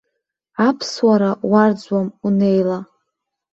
Аԥсуара уарӡуам, унеила!